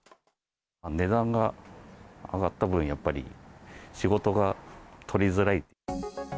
値段が上がった分、やっぱり仕事が取りづらい。